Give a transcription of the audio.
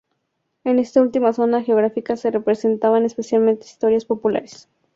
En esta última zona geográfica se representaban especialmente historias populares.